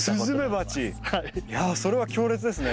いやそれは強烈ですね。